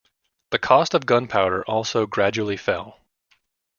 The cost of gunpowder also gradually fell.